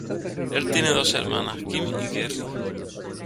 Él tiene dos hermanas, Kim y Kerri.